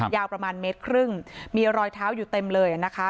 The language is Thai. ยาวประมาณเมตรครึ่งมีรอยเท้าอยู่เต็มเลยนะคะ